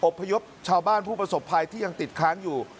พยพชาวบ้านผู้ประสบภัยที่ยังติดค้างอยู่